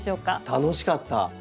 楽しかった。